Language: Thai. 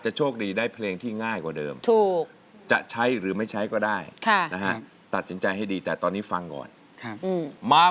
หลวงพ่อเงินแห่งวัดบางคา